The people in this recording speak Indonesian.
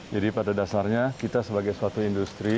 jadi pada dasarnya kita sebagai suatu industri